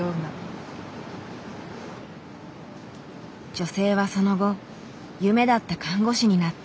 女性はその後夢だった看護師になった。